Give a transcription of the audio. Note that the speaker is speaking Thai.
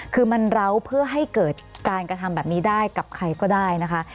คือมันเล้าเพื่อให้เกิดการกระทำแบบนี้ได้กับใครก็ได้นะคะ